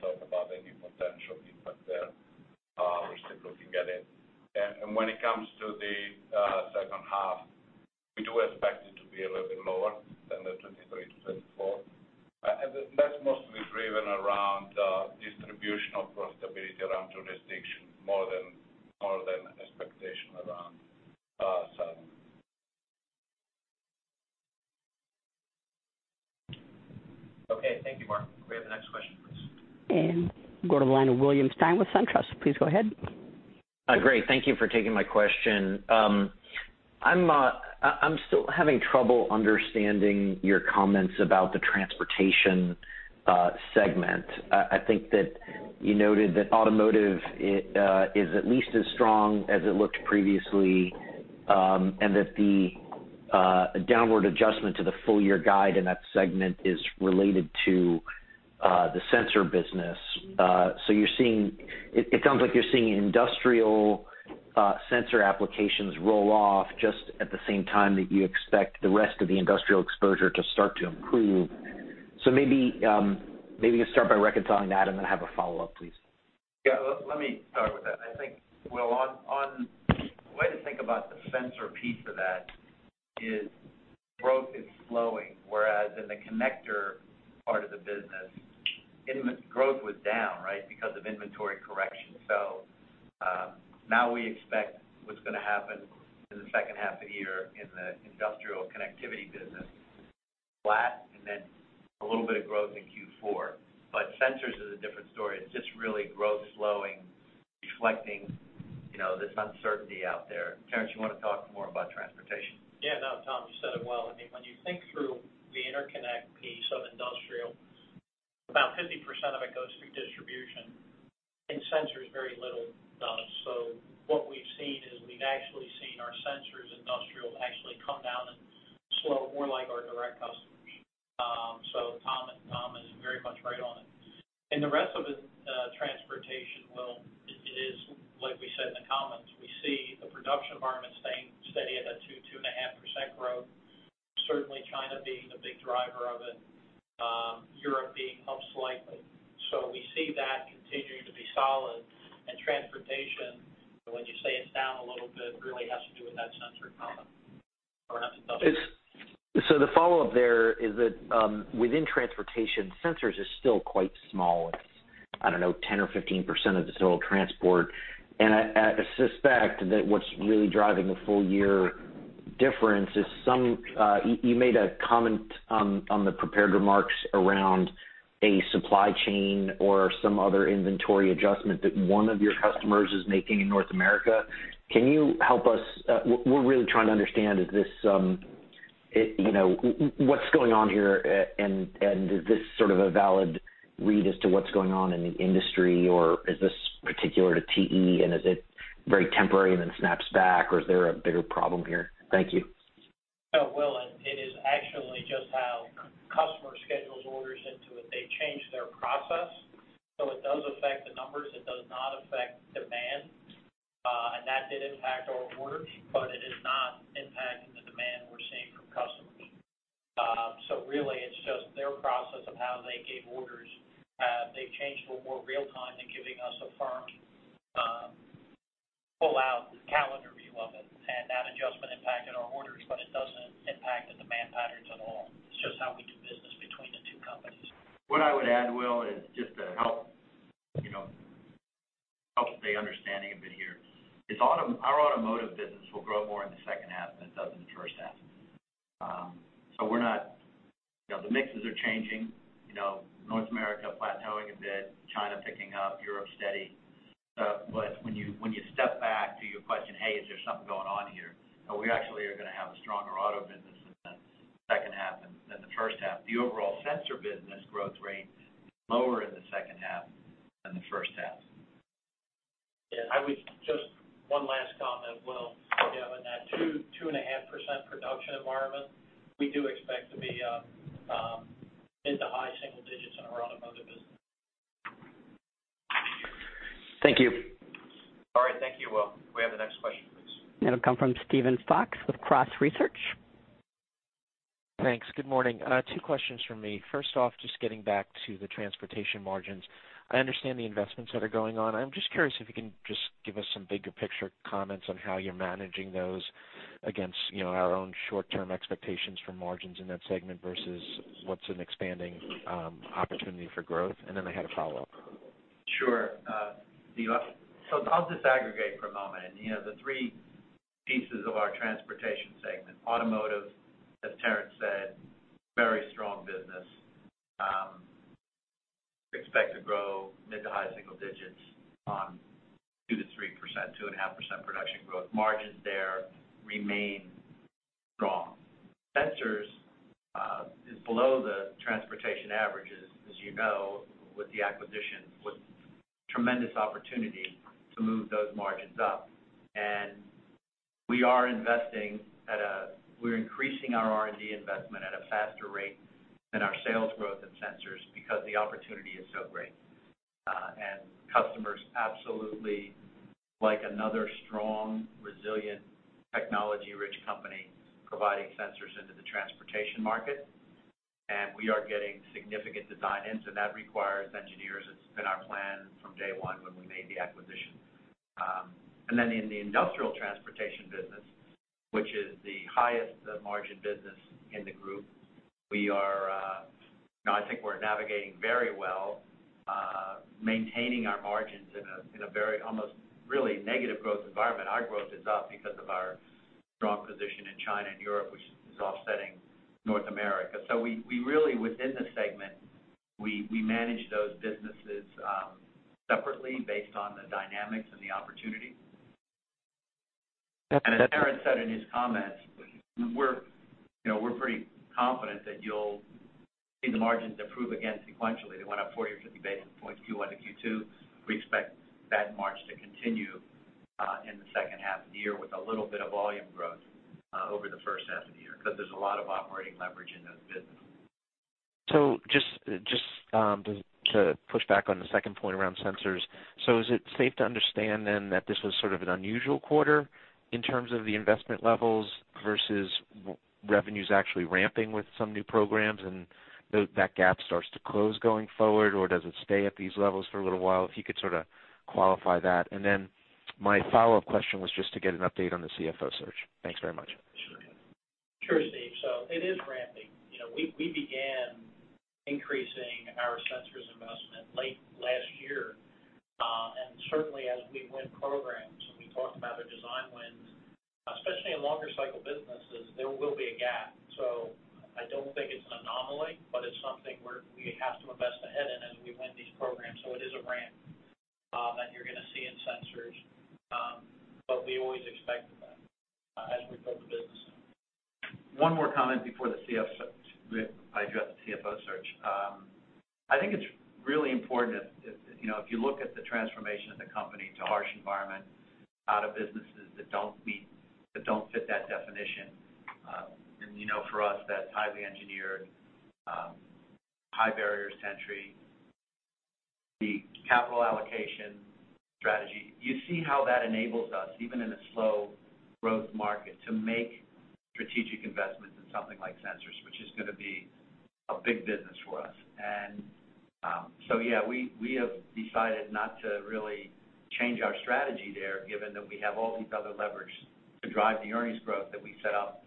[SPEAKER 3] talk about any potential impact there. We're still looking at it. And, and when it comes to the, second half, we do expect it to be a little bit lower than the 23%-24%. And that's mostly driven around, distribution of profitability around jurisdiction, more than, more than expectation around, 7. Okay, thank you, Mark. Can we have the next question, please?
[SPEAKER 1] Go to the line of William Stein with SunTrust. Please go ahead.
[SPEAKER 12] Great. Thank you for taking my question. I'm still having trouble understanding your comments about the transportation segment. I think that you noted that automotive is at least as strong as it looked previously, and that the downward adjustment to the full year guide in that segment is related to the sensor business. So it sounds like you're seeing industrial sensor applications roll off just at the same time that you expect the rest of the industrial exposure to start to improve. So maybe you start by reconciling that, and then I have a follow-up, please.
[SPEAKER 3] Yeah. Let me start with that. I think, Will, on the way to think about the sensor piece of that is growth is slowing, whereas in the connector part of the business, growth was down, right? Because of inventory correction. So, now we expect what's gonna happen in the second half of the year in the industrial connectivity business, flat, and then a little bit of growth in Q4. But sensors is a different story. It's just really growth slowing, reflecting, you know, this uncertainty out there. Terrence, you wanna talk more about transportation?
[SPEAKER 4] Yeah. No, Tom, you said it well. I mean, when you think through the interconnect piece of industrial, about 50% of it goes through distribution, in sensor is very little done. So what we've seen is we've actually seen our sensors industrial actually come down and slow more like our direct customers. So Tom, Tom is very much right on it. And the rest of it, transportation, Will, it is like we said in the comments, we see the production environment staying steady at a 2%-2.5% growth. Certainly, China being the big driver of it, Europe being up slightly. So we see that continuing to be solid. And transportation, when you say it's down a little bit, really has to do with that sensor problem. Over to Tom.
[SPEAKER 12] So the follow-up there is that, within transportation, sensors is still quite small. It's, I don't know, 10% or 15% of the total transport. And I suspect that what's really driving the full year difference is some... You made a comment on the prepared remarks around a supply chain or some other inventory adjustment that one of your customers is making in North America. Can you help us? We're really trying to understand is this, it, you know, what's going on here, and is this sort of a valid read as to what's going on in the industry, or is this particular to TE, and is it very temporary and then snaps back, or is there a bigger problem here? Thank you.
[SPEAKER 4] Oh, Will, it is actually just how customer schedules orders into it. They changed their process, so it does affect the numbers. It does not affect demand. And that did impact our orders, but it is not impacting the demand we're seeing from customers. So really, it's just their process of how they gave orders. They've changed to a more real time in giving us a firm, full-out calendar view of it, and that adjustment impacted our orders, but it doesn't impact the demand patterns at all. It's just how we do business between the two companies.
[SPEAKER 3] What I would add, Will, is just to help, you know, help the understanding of it here, is our automotive business will grow more in the second half than it does in the first half. So we're not. You know, the mixes are changing, you know, North America plateauing a bit, China picking up, Europe steady. But when you, when you step back to your question, "Hey, is there something going on here?" We actually are gonna have a stronger auto business in the second half than the first half. The overall sensor business growth rate, lower in the second half than the first half.
[SPEAKER 4] Yeah, I would just... One last comment, Will. Yeah, in that 2%-2.5% production environment, we do expect to be in the high single digits in our automotive business.
[SPEAKER 12] Thank you.
[SPEAKER 3] All right. Thank you, Will. Can we have the next question, please?
[SPEAKER 1] That'll come from Steven Fox with Cross Research.
[SPEAKER 13] Thanks. Good morning, two questions from me. First off, just getting back to the transportation margins. I understand the investments that are going on. I'm just curious if you can just give us some bigger picture comments on how you're managing those against, you know, our own short-term expectations for margins in that segment versus what's an expanding opportunity for growth. And then I had a follow-up.
[SPEAKER 3] Sure, so I'll disaggregate for a moment. You know, the three pieces of our transportation segment, automotive, as Terrence said, very strong business. Expect to grow mid- to high-single digits on 2%-3%, 2.5% production growth. Margins there remain strong. Sensors is below the transportation averages, as you know, with the acquisition, with tremendous opportunity to move those margins up. And we are investing at a—we're increasing our R&D investment at a faster rate than our sales growth in sensors because the opportunity is so great. And customers absolutely like another strong, resilient, technology-rich company providing sensors into the transportation market, and we are getting significant design-ins, and that requires engineers. It's been our plan from day one when we made the acquisition. And then in the industrial transportation business, which is the highest margin business in the group, we are now, I think we're navigating very well, maintaining our margins in a, in a very, almost really negative growth environment. Our growth is up because of our strong position in China and Europe, which is offsetting North America. So we, we really, within the segment, we, we manage those businesses separately based on the dynamics and the opportunity. And as Arun said in his comments, we're, you know, we're pretty confident that you'll see the margins improve again sequentially. They went up 40-50 basis points, Q1 to Q2. We expect that margin to continue in the second half of the year with a little bit of volume growth over the first half of the year, because there's a lot of operating leverage in those business.
[SPEAKER 13] So just to push back on the second point around sensors. So is it safe to understand then that this was sort of an unusual quarter in terms of the investment levels versus revenues actually ramping with some new programs, and that gap starts to close going forward, or does it stay at these levels for a little while? If you could sort of qualify that. And then my follow-up question was just to get an update on the CFO search. Thanks very much.
[SPEAKER 4] Sure, Steve. So it is ramping. You know, we, we began increasing our sensors investment late last year. And certainly, as we win programs, we talked about the design wins, especially in longer cycle businesses, there will be a gap. So I don't think it's an anomaly, but it's something where we have to invest ahead in as we win these programs. So it is a ramp, that you're gonna see in sensors. But we always expected that, as we build the business.
[SPEAKER 3] One more comment before I address the CFO search. I think it's really important, you know, if you look at the transformation of the company to harsh environment, out of businesses that don't fit that definition, and you know, for us, that's highly engineered, high barriers to entry, the capital allocation strategy. You see how that enables us, even in a slow growth market, to make strategic investments in something like sensors, which is gonna be a big business for us. And, so yeah, we have decided not to really change our strategy there, given that we have all these other levers to drive the earnings growth that we set out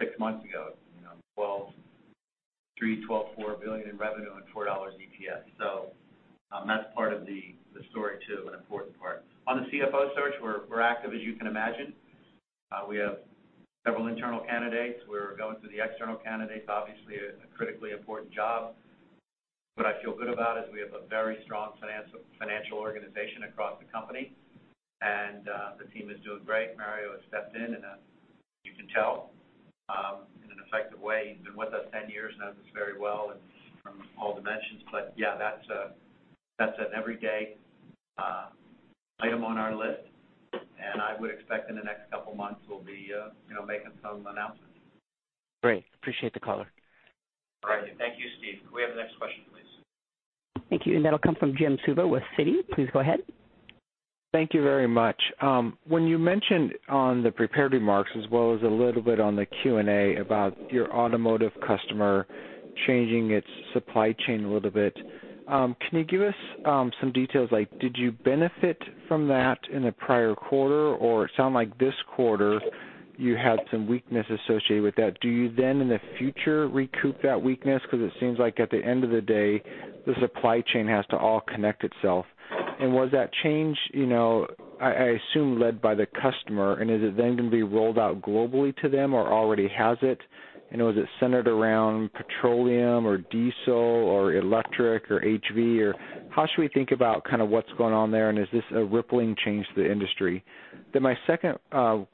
[SPEAKER 3] six months ago, you know, $12.3-$12.4 billion in revenue and $4 EPS. So, that's part of the story, too, an important part. On the CFO search, we're active, as you can imagine. We have several internal candidates. We're going through the external candidates. Obviously, a critically important job. What I feel good about is we have a very strong financial organization across the company, and the team is doing great. Mario has stepped in, and you can tell in an effective way. He's been with us 10 years, knows us very well and from all dimensions. But yeah, that's an every day item on our list, and I would expect in the next couple of months, we'll be you know, making some announcements.
[SPEAKER 13] Great. Appreciate the call.
[SPEAKER 3] Perfect. Thank you, Steve. Can we have the next question, please?
[SPEAKER 1] Thank you. That'll come from Jim Suva with Citi. Please go ahead.
[SPEAKER 14] Thank you very much. When you mentioned on the prepared remarks, as well as a little bit on the Q&A about your automotive customer changing its supply chain a little bit, can you give us some details, like, did you benefit from that in the prior quarter? Or it sounds like this quarter, you had some weakness associated with that. Do you then, in the future, recoup that weakness? Because it seems like at the end of the day, the supply chain has to all connect itself. Was that change, you know, I assume, led by the customer, and is it then going to be rolled out globally to them or already has it? Was it centered around petroleum, or diesel, or electric, or HV? Or how should we think about kind of what's going on there, and is this a rippling change to the industry? Then my second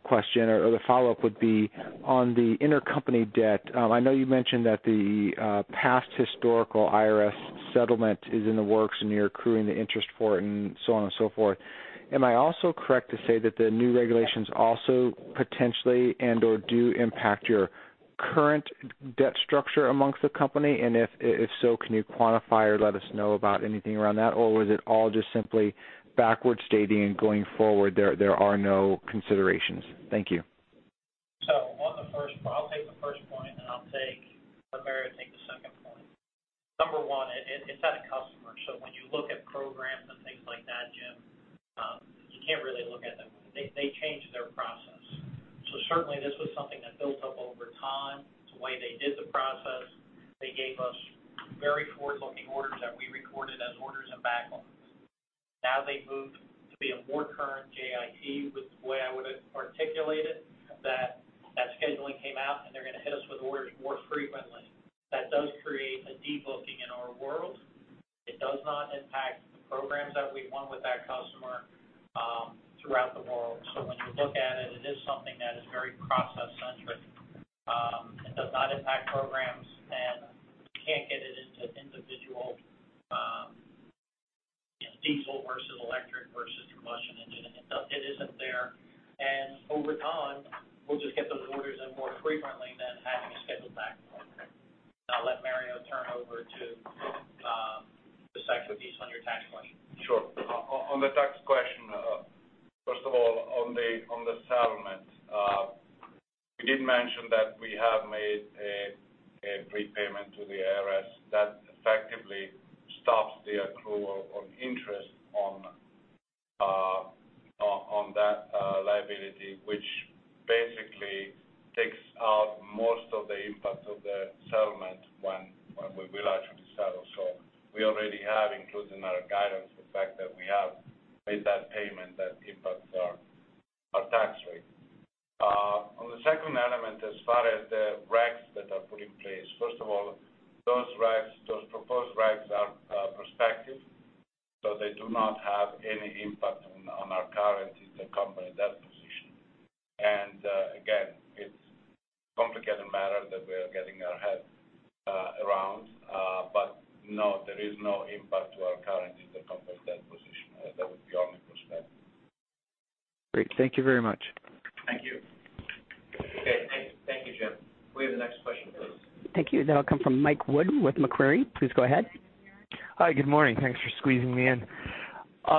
[SPEAKER 14] question or the follow-up would be on the intercompany debt. I know you mentioned that the past historical IRS settlement is in the works, and you're accruing the interest for it and so on and so forth. Am I also correct to say that the new regulations also potentially and/or do impact your current debt structure amongst the company? And if so, can you quantify or let us know about anything around that? Or was it all just simply backward stating and going forward, there are no considerations? Thank you.
[SPEAKER 4] So on the first part... I'll take the first point, and I'll take, or Mario take the second point. Number one, it's at a customer, so when you look at programs and things like that, Jim, you can't really look at them. They changed their process. So certainly, this was something that built up over time, the way they did the process. They gave us very forward-looking orders that we recorded as orders and backlogs. Now they've moved to be a more current JIT, which the way I would articulate it, that scheduling came out, and they're gonna hit us with orders more frequently. That does create a de-booking in our world. It does not impact the programs that we've won with that customer.... throughout the world. So when you look at it, it is something that is very process-centric. It does not impact programs, and you can't get it into individual, you know, diesel versus electric versus combustion engine. It, it isn't there. And over time, we'll just get those orders in more frequently than having a scheduled back order. I'll let Mario turn over to the sector piece on your tax question.
[SPEAKER 5] Sure. On the tax question, first of all, on the settlement, we did mention that we have made a prepayment to the IRS that effectively stops the accrual of interest on that liability, which basically takes out most of the impact of the settlement when we will actually settle. So we already have included in our guidance the fact that we have made that payment that impacts our tax rate. On the second element, as far as the regs that are put in place, first of all, those regs, those proposed regs are prospective, so they do not have any impact on our current intercompany debt position. And again, it's a complicated matter that we are getting our head around. But no, there is no impact to our current intercompany debt position. That would be only prospective.
[SPEAKER 14] Great, thank you very much.
[SPEAKER 4] Thank you.
[SPEAKER 3] Okay. Thank you, Jim. We have the next question, please.
[SPEAKER 1] Thank you. That'll come from Mike Wood with Macquarie. Please go ahead.
[SPEAKER 15] Hi, good morning. Thanks for squeezing me in.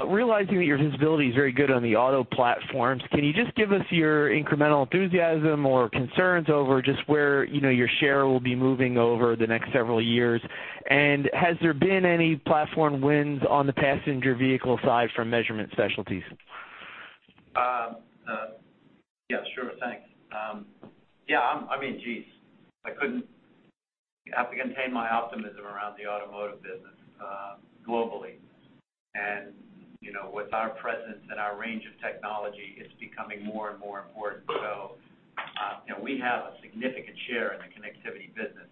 [SPEAKER 15] Realizing that your visibility is very good on the auto platforms, can you just give us your incremental enthusiasm or concerns over just where, you know, your share will be moving over the next several years? And has there been any platform wins on the passenger vehicle side from Measurement Specialties?
[SPEAKER 3] Yeah, sure. Thanks. Yeah, I mean, geez, I couldn't. I have to contain my optimism around the automotive business, globally. You know, with our presence and our range of technology, it's becoming more and more important. You know, we have a significant share in the connectivity business.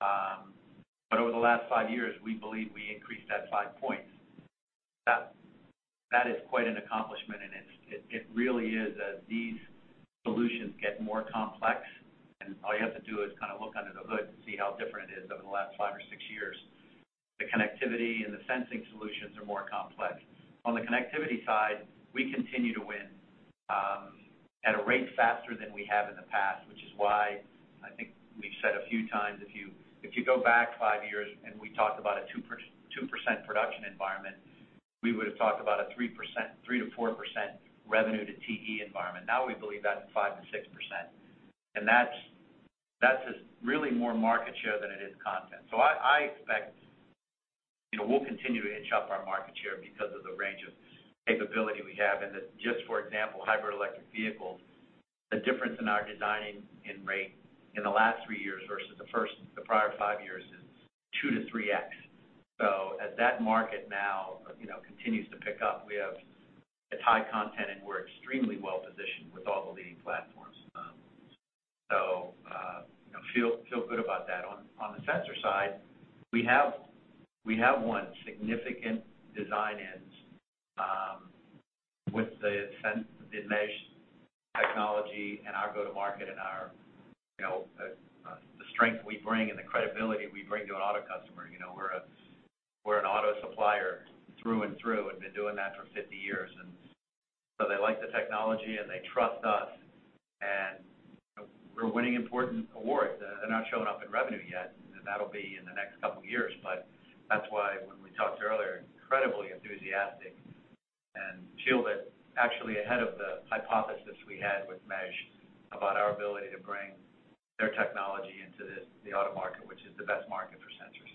[SPEAKER 3] But over the last five years, we believe we increased that five points. That, that is quite an accomplishment, and it, it, it really is. As these solutions get more complex, and all you have to do is kind of look under the hood and see how different it is over the last five or six years, the connectivity and the sensing solutions are more complex. On the connectivity side, we continue to win at a rate faster than we have in the past, which is why I think we've said a few times, if you, if you go back 5 years and we talked about a 2%-2% production environment, we would have talked about a 3%, 3%-4% revenue to TE environment. Now, we believe that's 5%-6%, and that's, that's just really more market share than it is content. So I, I expect, you know, we'll continue to inch up our market share because of the range of capability we have. And just, for example, hybrid electric vehicles, the difference in our designing in rate in the last 3 years versus the first, the prior 5 years is 2-3x. So as that market now, you know, continues to pick up, we have a high content, and we're extremely well positioned with all the leading platforms. You know, feel good about that. On the sensor side, we have won significant design-ins with the MEAS technology and our go-to-market and our, you know, the strength we bring and the credibility we bring to an auto customer. You know, we're an auto supplier through and through and been doing that for 50 years. And so they like the technology, and they trust us, and we're winning important awards. They're not showing up in revenue yet, and that'll be in the next couple of years. But that's why when we talked earlier, incredibly enthusiastic and shielded, actually ahead of the hypothesis we had with Mesh about our ability to bring their technology into the auto market, which is the best market for sensors.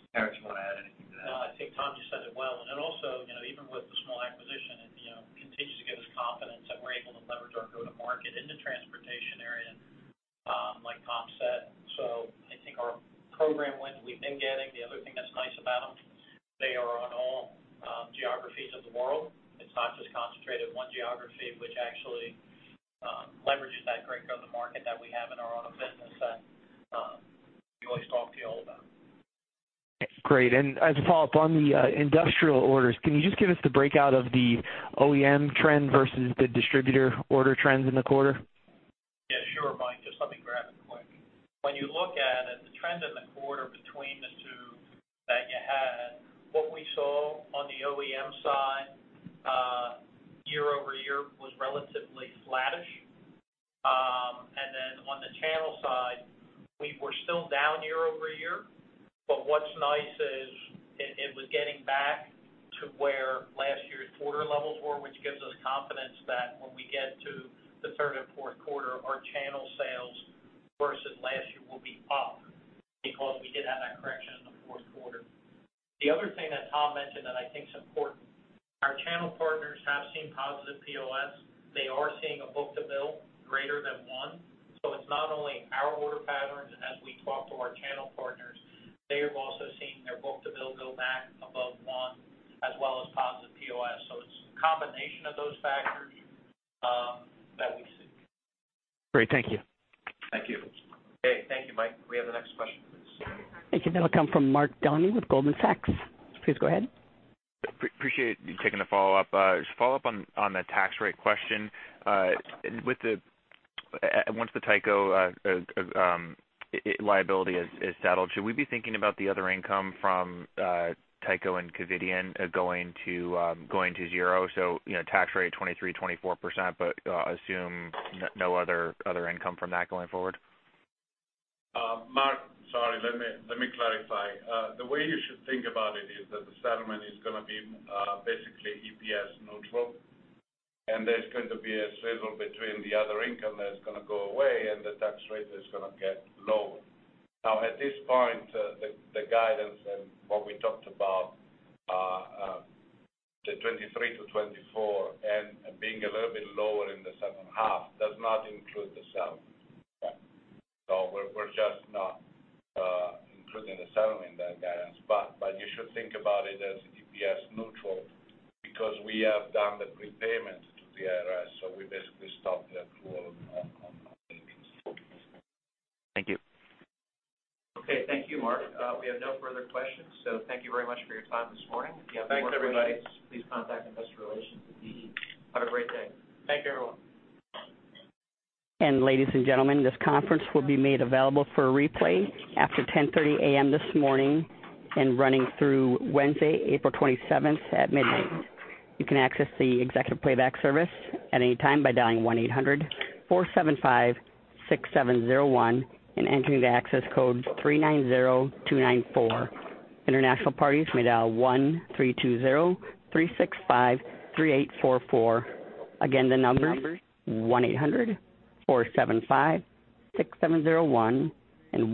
[SPEAKER 5] Now, at this point, the guidance and what we talked about, the 2023 to 2024 and being a little bit lower in the second half, does not include the settlement. So we're just not including the settlement in that guidance. But you should think about it as EPS neutral because we have done the prepayment to the IRS, so we basically stopped the accrual on these.
[SPEAKER 11] Thank you.
[SPEAKER 4] Okay, thank you, Mark. We have no further questions, so thank you very much for your time this morning.
[SPEAKER 3] Thanks, everybody. Please contact Investor Relations at TE. Have a great day.
[SPEAKER 11] Thank you, everyone.
[SPEAKER 1] Ladies and gentlemen, this conference will be made available for a replay after 10:30 A.M. this morning and running through Wednesday, April 27th at midnight. You can access the executive playback service at any time by dialing 1-800-475-6701 and entering the access code 390294. International parties may dial 1-320-365-3844. Again, the numbers 1-800-475-6701 and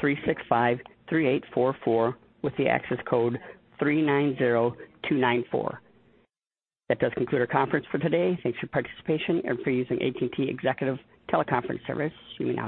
[SPEAKER 1] 1-320-365-3844, with the access code 390294. That does conclude our conference for today. Thanks for your participation and for using AT&T Executive Teleconference service. You may disconnect.